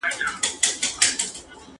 هغه د اصفهان په زړه کې د خپل واک بنسټ کلک کړ.